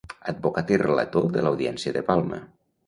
Advocat i relator de l'Audiència de Palma.